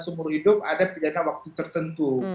seumur hidup ada pidana waktu tertentu